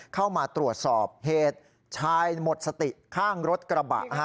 เข้ามาตรวจสอบเหตุชายหมดสติข้างรถกระบะ